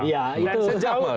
tetapi kemampuan meramal